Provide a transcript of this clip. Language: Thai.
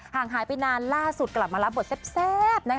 ห่างหายไปนานล่าสุดกลับมารับบทแซบนะคะ